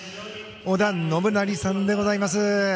織田信成さんでございます。